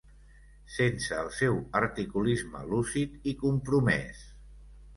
Sense el seu articulisme lúcid i compromès.